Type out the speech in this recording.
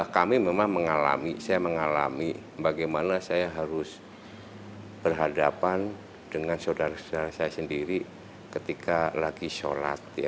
kami memang mengalami saya mengalami bagaimana saya harus berhadapan dengan saudara saudara saya sendiri ketika lagi sholat